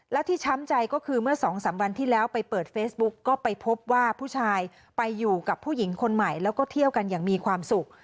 และที่ช้ำใจก็คือเมื่อสองสามวันที่แล้วไปเปิดเฟซบุ๊กก็ไปพบว่าผู้ชายไปอยู่กับผู้หญิงคนใหม่แล้วก็เที่ยวกันอย่างมีความสุข